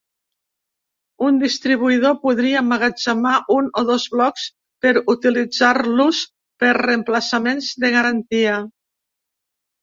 Un distribuïdor podria emmagatzemar un o dos blocs per utilitzar-los per reemplaçaments de garantia.